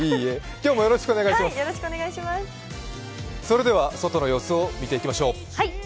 それでは外の様子を見ていきましょう。